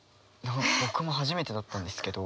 僕も初めてだったんですけど。